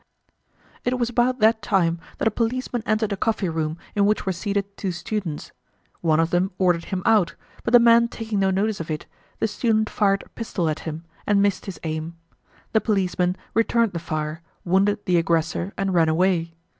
It was about that time that a policeman entered a coffee room, in which were seated two students. One of them ordered him out, but the man taking no notice of it, the student fired a pistol at him, and missed his aim. The policeman returned the fire, wounded the aggressor, and ran away.